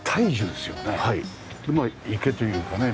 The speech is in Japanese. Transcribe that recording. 池というかね